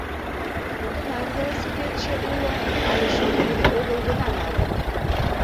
Тудынат велосипедше уло, але шукерте огыл гына налын.